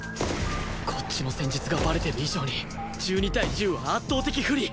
こっちの戦術がバレてる以上に１２対１０は圧倒的不利